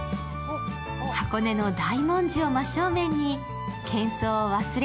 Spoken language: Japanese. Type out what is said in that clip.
箱根の大文字を真正面に喧騒を忘れ、